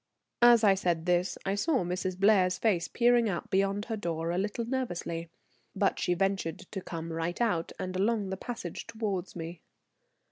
As I said this I saw Mrs. Blair's face peering out beyond her door a little nervously, but she ventured to come right out and along the passage towards me.